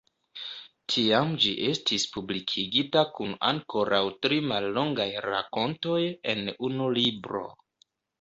Tiam ĝi estis publikigita kun ankoraŭ tri mallongaj rakontoj en unu libro.